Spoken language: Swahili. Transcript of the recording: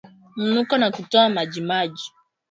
Mnuko na kutoa majimaji